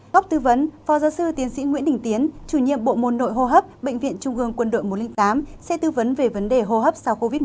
tóc tư vấn phó giáo sư tiến sĩ nguyễn đình tiến chủ nhiệm bộ môn nội hô hấp bệnh viện trung ương quân đội một trăm linh tám sẽ tư vấn về vấn đề hô hấp sau covid một mươi chín